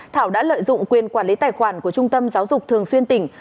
thảo đã lợi dụng quyền quản lý tài khoản của trung tâm giáo dục thường xuyên tỉnh